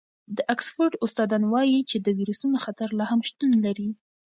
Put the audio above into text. د اکسفورډ استادان وايي چې د وېروسونو خطر لا هم شتون لري.